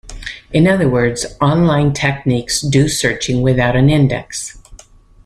In other words, on-line techniques do searching without an index.